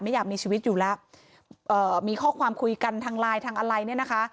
อยากมีชีวิตอยู่แล้วเอ่อมีข้อความคุยกันทางไลน์ทางอะไรเนี่ยนะคะ